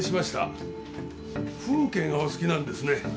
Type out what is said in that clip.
風景がお好きなんですね。